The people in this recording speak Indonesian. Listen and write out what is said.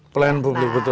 pelayanan publik betul